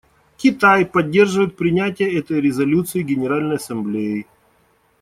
Китай поддерживает принятие этой резолюции Генеральной Ассамблеей.